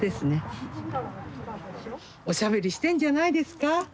おしゃべりしてんじゃないですか。